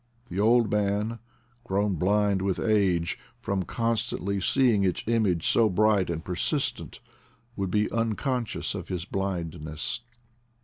The old man, grown blind with age, from constantly seeing its image so bright and per 44 IDLE DAYS IN PATAGONIA sistent, would be unconscious of his blindness.